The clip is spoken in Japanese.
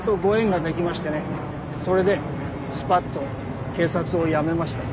それでスパッと警察を辞めました。